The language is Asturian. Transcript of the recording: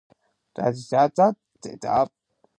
El fueu y l'aire vienen del cielu.